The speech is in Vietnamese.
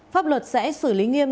pháp luật sẽ xử lý nghiêm